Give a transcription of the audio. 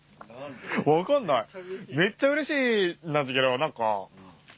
分かんないめっちゃうれしいんだけど何か。